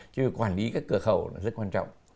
chứ quản lý các cửa khẩu rất quan trọng